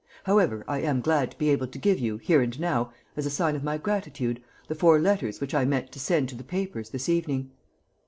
However, I am glad to be able to give you, here and now, as a sign of my gratitude, the four letters which I meant to send to the papers this evening."